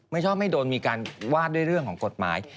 ชอบให้โดนมีการวาดด้วยเรื่องของกฎหมาย